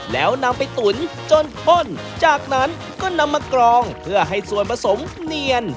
แล้วนำไปตุ๋นจนพ่นจากนั้นก็นำมากรองเพื่อให้ส่วนผสมเนียน